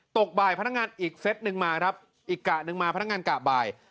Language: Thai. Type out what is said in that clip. ตกบ่ายพนักงานอีกเซตหนึ่งมาครับอีกกะหนึ่งมาพนักงานกะบ่าย